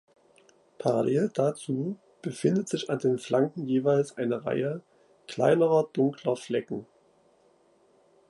Parallel dazu befindet sich an den Flanken jeweils eine Reihe kleinerer dunkler Flecken.